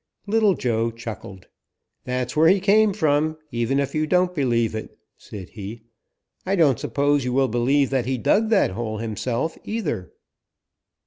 Little Joe chuckled. "That's where he came from, even if you don't believe it," said he. "I don't suppose you will believe that he dug that hole himself, either."